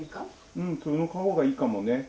うんその方がいいかもね。